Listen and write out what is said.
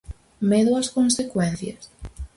Medo ás consecuencias?